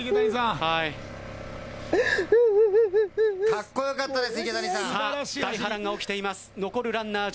かっこよかったです。